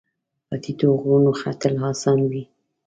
په ټیټو غرونو ختل اسان وي